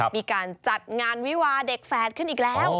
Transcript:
มีการจัดงานวิวาเด็กแฝดขึ้นอีกแล้ว